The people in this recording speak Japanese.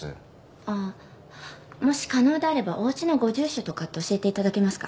あっもし可能であればお家のご住所とかって教えて頂けますか？